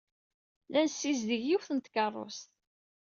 La nessizdig yiwet n tkeṛṛust.